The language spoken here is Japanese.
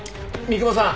三雲さん！